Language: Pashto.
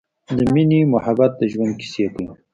د مینې مخبت د ژوند کیسې کوی